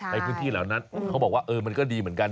ในพื้นที่เหล่านั้นเขาบอกว่าเออมันก็ดีเหมือนกัน